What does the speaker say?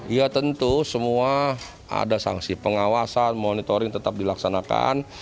ya tentu semua ada sanksi pengawasan monitoring tetap dilaksanakan